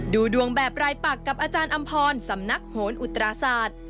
ดูดวงแบบรายปักกับอาจารย์อำพรสำนักโหนอุตราศาสตร์